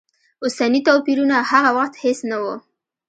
اوسني توپیرونه هغه وخت هېڅ نه و.